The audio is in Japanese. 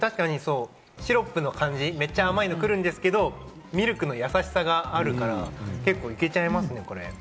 シロップの感じ、めっちゃ甘いのは来るんですけれど、ミルクのやさしさがあるから、結構いけちゃいますね。